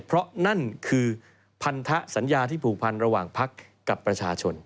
เพราะนั่นคือพันธสัญญาที่ผูกพันระหว่างพักกับประชาชน